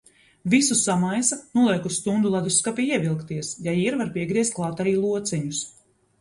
Visu samaisa, noliek uz stundu ledusskapī ievilkties. Ja ir, var piegriezt klāt arī lociņus.